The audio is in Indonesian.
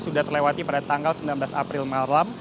sudah terlewati pada tanggal sembilan belas april malam